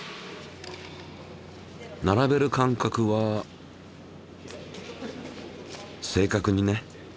並べる間隔は正確にね。